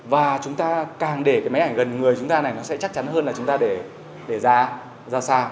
và chúng ta càng để cái máy ảnh gần người chúng ta này nó sẽ chắc chắn hơn là chúng ta để ra sao